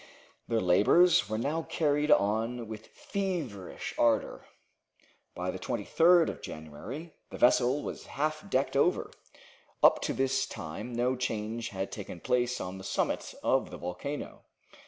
Their labors were now carried on with feverish ardor. By the 23rd of January the vessel was half decked over. Up to this time no change had taken place on the summit of the volcano.